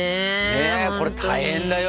ねこれ大変だよ